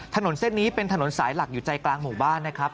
ถนนเส้นนี้เป็นถนนสายหลักอยู่ใจกลางหมู่บ้านนะครับ